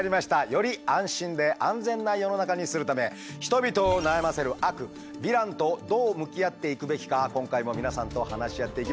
より安心で安全な世の中にするため人々を悩ませる悪ヴィランとどう向き合っていくべきか今回も皆さんと話し合っていきましょう。